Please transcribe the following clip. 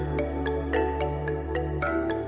maka kehidupan berlangsung